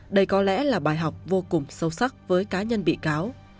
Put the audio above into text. đây có lẽ là bài học vô cùng sâu sắc với cá nhân bị cáo